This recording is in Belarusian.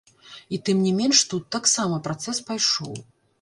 І тым не менш тут таксама працэс пайшоў.